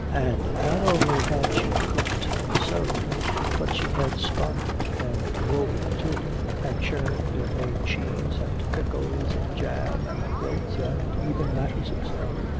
And not only had she cooked and sewed, but she had spun and woven too, had churned and made cheese and pickles and jam and quilts and even mattresses.